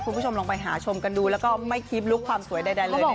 คุณผู้ชมลองไปหาชมกันดูแล้วก็ไม่คิดลุกความสวยใดเลย